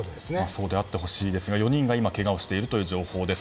そうであってほしいですが４人がけがをしているという情報です。